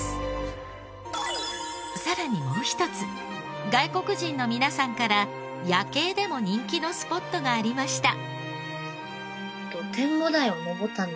さらにもう一つ外国人の皆さんから夜景でも人気のスポットがありました。